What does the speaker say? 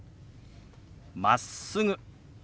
「まっすぐ」。